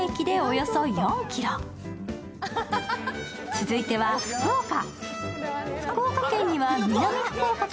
続いては福岡。